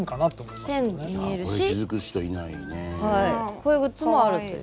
こういうグッズもあるっていう。